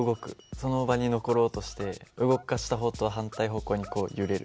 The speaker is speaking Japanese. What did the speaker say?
その場に残ろうとして動かした方とは反対方向にこう揺れる。